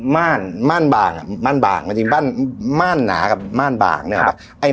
ม่านม่านบางม่านบางม่านหนากับม่านบางเนี่ย